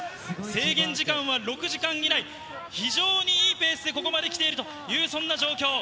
制限時間は６時間以内、非常にいいペースでここまで来ているという、そんな状況。